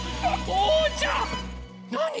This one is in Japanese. おうちゃんなに？